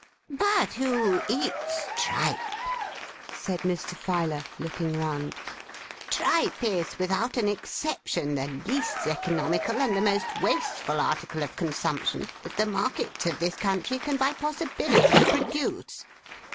'But who eats tripe?' said Mr. Filer, looking round. 'Tripe is without an exception the least economical, and the most wasteful article of consumption that the markets of this country can by possibility produce.